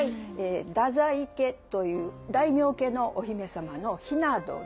太宰家という大名家のお姫様の雛鳥。